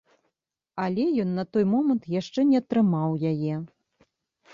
Але ён на той момант яшчэ не атрымаў яе.